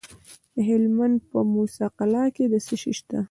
د هلمند په موسی قلعه کې څه شی شته؟